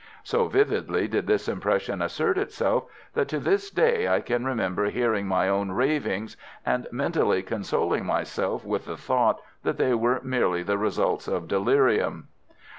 So vividly did this impression assert itself, that to this day I can remember hearing my own ravings, and mentally consoling myself with the thought that they were merely the results of delirium.